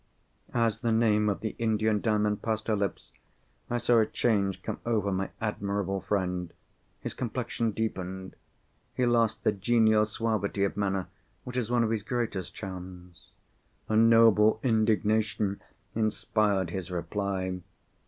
As the name of the Indian Diamond passed her lips, I saw a change come over my admirable friend. His complexion deepened. He lost the genial suavity of manner which is one of his greatest charms. A noble indignation inspired his reply.